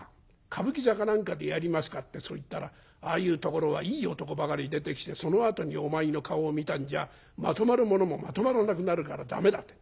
歌舞伎座か何かでやりますか？』ってそう言ったら『ああいうところはいい男ばかり出てきてそのあとにお前の顔を見たんじゃまとまるものもまとまらなくなるから駄目だ』って。